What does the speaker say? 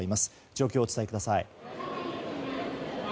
状況を伝えてください。